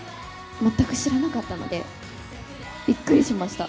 全く知らなかったので、びっくりしました。